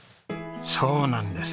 そうなんです。